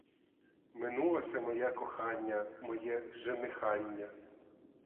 Минулося моє кохання, моє женихання!